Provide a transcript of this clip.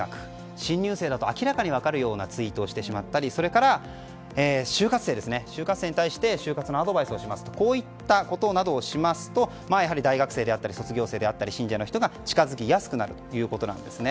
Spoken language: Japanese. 新入生だと明らかに分かるようなツイートをしてしまったりそれから就活生に対して就活のアドバイスをしますなどこういったことなどをしますと大学生であったり卒業生であったり信者の人が近づきやすくなるということです。